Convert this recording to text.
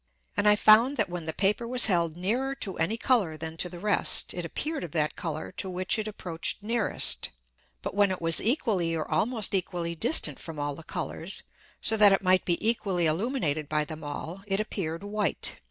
And I found that when the Paper was held nearer to any Colour than to the rest, it appeared of that Colour to which it approached nearest; but when it was equally or almost equally distant from all the Colours, so that it might be equally illuminated by them all it appeared white.